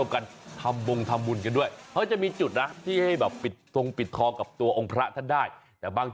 คือคักมาก